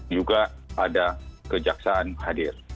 juga ada kejaksaan hadir